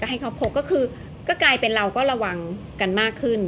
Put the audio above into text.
ให้เขาพบก็คือก็กลายเป็นเราก็ระวังกันมากขึ้น